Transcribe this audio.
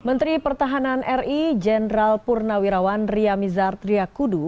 menteri pertahanan ri jenderal purnawirawan riamizar triakudu